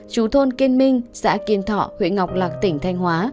chú thôn kiên minh xã kiên thọ huyện ngọc lạc tỉnh thanh hóa